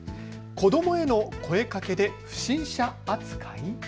子どもへの声かけで不審者扱い？